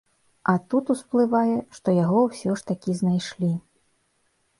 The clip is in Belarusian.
А тут усплывае, што яго ўсё ж такі знайшлі.